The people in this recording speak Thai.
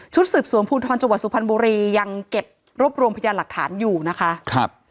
สืบสวนภูทรจังหวัดสุพรรณบุรียังเก็บรวบรวมพยานหลักฐานอยู่นะคะครับ